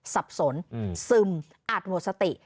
สับสนซึมอาจหมดสติ